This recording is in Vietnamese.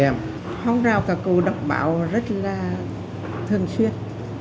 phóng rao cả cụ đọc báo rất là thường xuyên